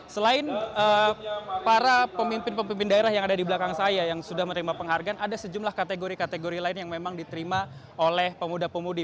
selain para pemimpin pemimpin daerah yang ada di belakang saya yang sudah menerima penghargaan ada sejumlah kategori kategori lain yang memang diterima oleh pemuda pemudi